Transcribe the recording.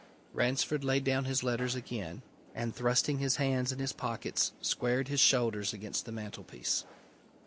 Ransford laid down his letters again, and thrusting his hands in his pockets, squared his shoulders against the mantelpiece.